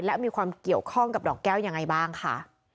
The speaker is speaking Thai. และมีความเกี่ยวข้องกับดอกแก้วยังไงบ้างค่ะ